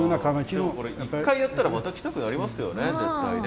でもこれ１回やったらまた来たくなりますよね絶対ね。